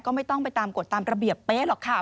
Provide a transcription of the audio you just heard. ก็ไม่ต้องไปตามกฎตามระเบียบเป๊ะหรอกค่ะ